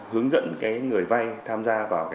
hướng dẫn người vay tham gia vào